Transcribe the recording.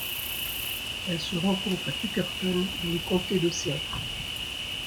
Elle se rencontre à Tuckerton dans le comté d'Ocean.